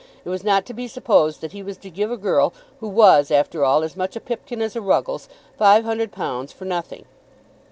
It was not to be supposed that he was to give a girl, who was after all as much a Pipkin as a Ruggles, five hundred pounds for nothing.